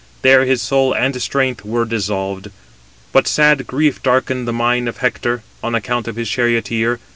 There his soul and strength were dissolved. But sad grief darkened the mind of Hector, on account of his charioteer.